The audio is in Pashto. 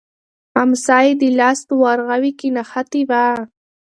امسا یې د لاس په ورغوي کې نښتې وه.